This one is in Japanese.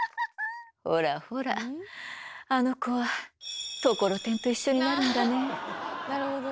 ほらほらあの子はところてんと一緒になるんだね。